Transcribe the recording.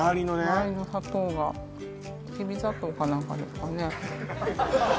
まわりの砂糖がきび砂糖か何かですかね？